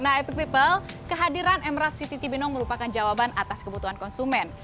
nah epic people kehadiran emerald city cibinong merupakan jawaban atas kebutuhan konsumen